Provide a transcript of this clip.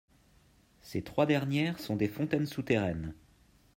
Ces trois dernières sont des fontaines souterraines.